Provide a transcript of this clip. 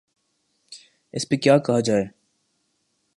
اس پہ کیا کہا جائے؟